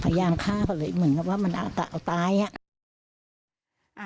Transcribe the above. พยายามฆ่าเขาเลยเหมือนกับว่ามันเอาตายอ่ะ